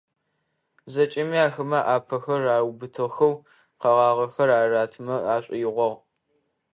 ЗэкӀэми ахэмэ аӏапэхэр аубытыхэу, къэгъагъэхэр аратымэ ашӀоигъуагъ.